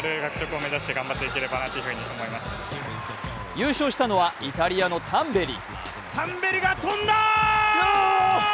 優勝したのはイタリアのタンベリ。